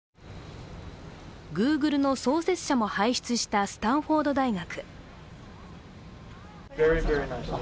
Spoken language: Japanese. グーグルの創設者も輩出したスタンフォード大学。